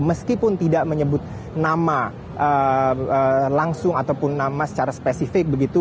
meskipun tidak menyebut nama langsung ataupun nama secara spesifik begitu